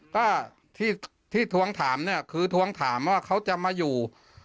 ก็ที่ทวงถามเนี่ยคือทวงถามว่าเขาจะมาอยู่